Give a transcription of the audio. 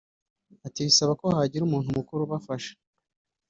Ati “bisaba ko hagira umuntu mukuru ubafasha[…]